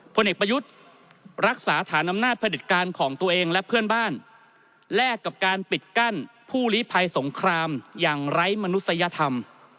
พลเอกประยุทธ์รักษาฐานอำนาจผลิตการของตัวเองและเพื่อนบ้านแลกกับการปิดกั้นผู้ลิภัยสงครามอย่างไร้มนุษยธรรม